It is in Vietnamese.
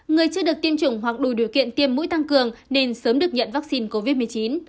người chưa được tiêm chủng hoặc đủ điều kiện tiêm mũi tăng cường nên sớm được nhận vaccine covid một mươi chín